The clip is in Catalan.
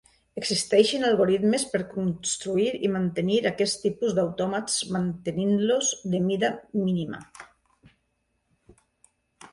Existeixen algorismes per construir i mantenir aquest tipus d'autòmats mantenint-los de mida mínima.